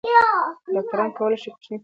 ډاکټران کولی شي کوچني ټپونه وڅاري.